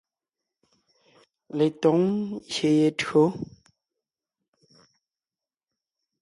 Letǒŋ ngyè ye tÿǒ.